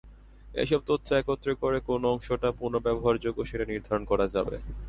এসব তথ্য একত্র করে কোন অংশটা পুনর্ব্যবহারযোগ্য সেটা নির্ধারণ করা যাবে।